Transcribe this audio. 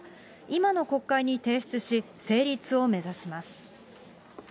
今の国会に提出し、成立を目指します。